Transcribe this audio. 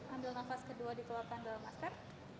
ambil nafas kedua dikeluarkan dalam masker